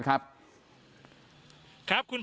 สวัสดีคุณผู้ชมนุม